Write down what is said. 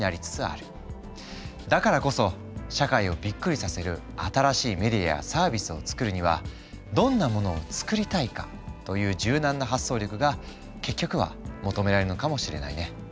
だからこそ社会をびっくりさせる新しいメディアやサービスを作るにはどんなものを作りたいかという柔軟な発想力が結局は求められるのかもしれないね。